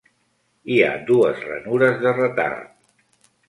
Hi ha dues ranures de retard.